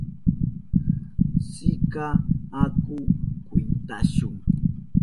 Sikay, aku kwintashu.